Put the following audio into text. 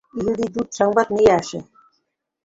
ইহুদী দূত সংবাদ নিয়ে আসে।